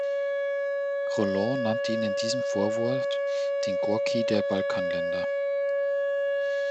Rolland nannte ihn in diesem Vorwort den „Gorki der Balkanländer“.